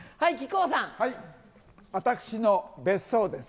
私の別荘です。